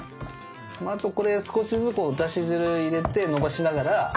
あとこれ少しずつダシ汁入れてのばしながら。